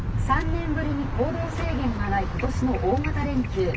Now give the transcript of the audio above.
「３年ぶりに行動制限がない今年の大型連休。